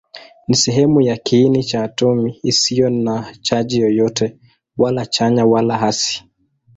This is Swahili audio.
Ni sehemu ya kiini cha atomi isiyo na chaji yoyote, wala chanya wala hasi.